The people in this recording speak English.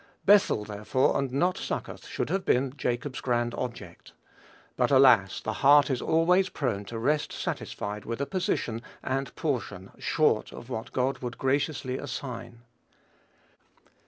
Bethel, therefore, and not Succoth, should have been Jacob's grand object. But alas! the heart is always prone to rest satisfied with a position and portion short of what God would graciously assign.